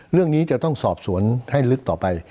เรื่องนี้จะต้องสอบสวนให้ลึกต่อไป